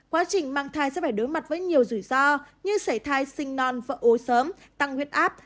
quá trình mang thai sẽ phải đối mặt với nhiều rủi ro như sảy thai sinh non vợ ố sớm tăng huyết áp